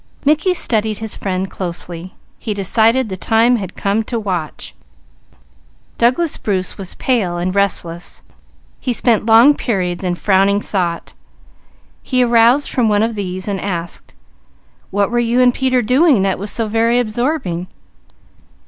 Mickey studied his friend closely. He decided the time had come to watch. Douglas Bruce was pale and restless, he spent long periods in frowning thought. He aroused from one of these and asked: "What were you and Peter doing that was so very absorbing?"